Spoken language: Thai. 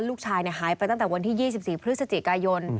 ลูกชายหายไปตั้งแต่วันที่๒๔พฤศจิกายน